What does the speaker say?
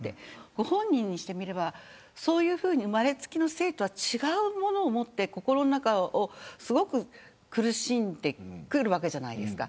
ご本人にしてみればそういうふうに生まれつきの性とは違うものを持って心の中を苦しんでいたわけじゃないですか。